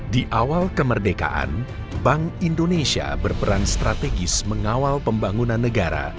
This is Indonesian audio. di awal kemerdekaan bank indonesia berperan strategis mengawal pembangunan negara